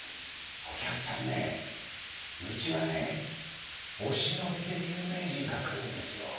お客さんねうちはねお忍びで有名人が来るんですよ。